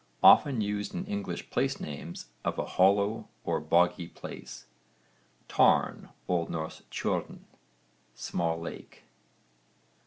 Often used in English place names of a hollow or boggy place. TARN. O.N. tjörn, small lake.